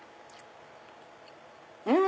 うん！